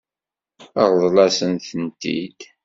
Ṛḍel-asen-tent-id.